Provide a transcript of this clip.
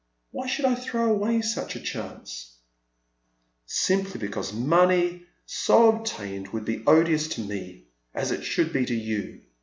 Why should I throw away such a chance ?"" Simply because money so obtained would bo odious to mo, as it should be to you.